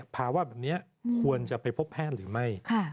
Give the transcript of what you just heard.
ภาวะแบบนี้ควรจะไปพบแพทย์หรือไม่